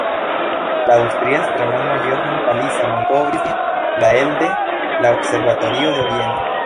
La aŭstria astronomo Johann Palisa malkovris ĝin la elde la observatorio de Vieno.